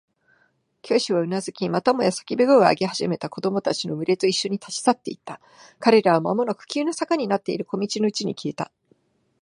教師はうなずき、またもや叫び声を上げ始めた子供たちのむれといっしょに、立ち去っていった。彼らはまもなく急な坂になっている小路のうちに消えた。